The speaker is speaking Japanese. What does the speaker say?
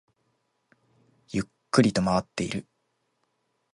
ゆっくりと回っている